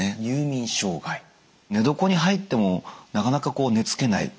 寝床に入ってもなかなか寝つけない。